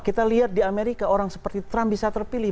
kita lihat di amerika orang seperti trump bisa terpilih